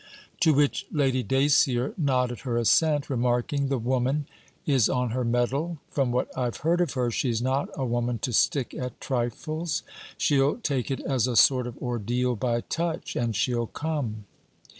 To which Lady Dacier nodded her assent, remarking, 'The woman is on her mettle. From what I've heard of her, she's not a woman to stick at trifles. She'll take it as a sort of ordeal by touch, and she 'll come.'